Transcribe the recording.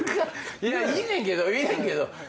いいねんけどいいねんけど。